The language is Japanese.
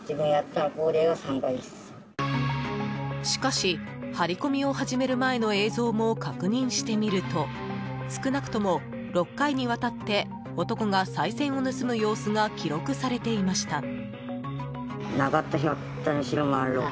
しかし、張り込みを始める前の映像も確認してみると少なくとも６回にわたって男が、さい銭を盗む様子が記録されていました。